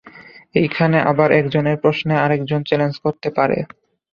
এইখানে আবার এক জনের প্রশ্নে আরেকজন চ্যালেঞ্জ করতে পারে।